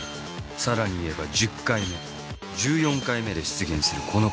さらに言えば１０回目１４回目で出現するこのパターンだ。